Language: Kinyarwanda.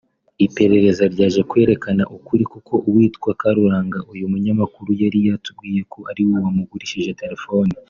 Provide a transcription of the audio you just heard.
Iperereza ryaje kwerekana ukuri kuko uwitwa Karuranga uyu munyamakuru yari yatubwiye ko ariwe wamugurishije terefone